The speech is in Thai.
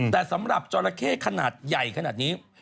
แต่สำหรับจราเข้ขนาดใหญ่ขนาดนี้